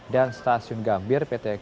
dan stasiun gambir pt ketua pemusuhan